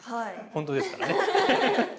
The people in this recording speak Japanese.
本当ですからね。